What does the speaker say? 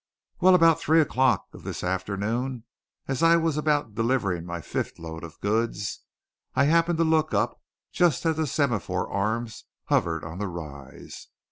Well, about three o'clock of this afternoon, as I was about delivering my fifth load of goods, I happened to look up just as the semaphore arms hovered on the rise.